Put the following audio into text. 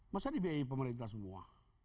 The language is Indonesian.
masa dibiayai pemerintah semua